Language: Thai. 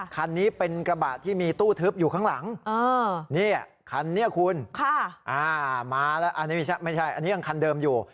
คันนี้เป็นกระบะที่มีตู้ทึบอยู่ข้างหลังนี่คันนี้คุณมาแล้วอันนี้ไม่ใช่อันนี้ยังคันเดิมอยู่